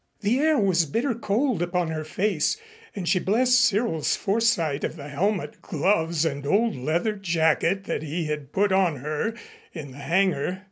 The air was bitter cold upon her face and she blessed Cyril's foresight for the helmet, gloves and old leather jacket that he had put on her in the hangar.